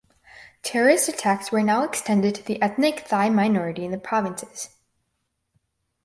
Terrorist attacks were now extended to the ethnic Thai minority in the provinces.